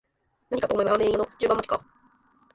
何かと思えばラーメン屋の順番待ちか